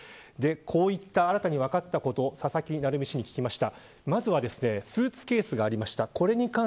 こういった新たに分かったものについて佐々木成三氏に聞きました。